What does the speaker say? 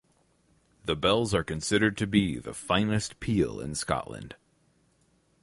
The bells are considered to be "the finest peal in Scotland".